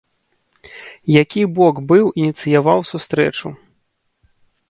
Які бок быў ініцыяваў сустрэчу?